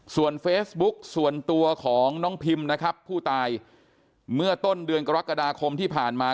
ส่วนเฟซบุ๊กส่วนตัวของน้องพิมนะครับผู้ตายเมื่อต้นเดือนกรกฎาคมที่ผ่านมา